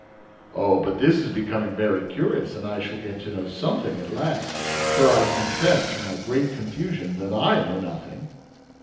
"Oh, but this is becoming very curious and I shall get to know something at last! For I confess, to my great confusion, that I know nothing."